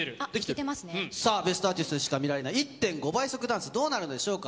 『ベストアーティスト』でしか見られない１．５倍速ダンスどうなるんでしょうか。